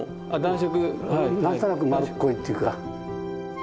何となく丸っこいっていうか。